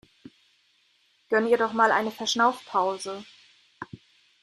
Gönn ihr doch mal eine Verschnaufpause!